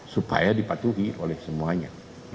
supaya dipatuhi oleh semuanya